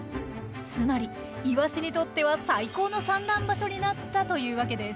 つまりイワシにとっては最高の産卵場所になったというわけです。